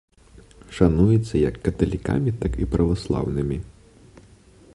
Шануецца як каталікамі, так і праваслаўнымі.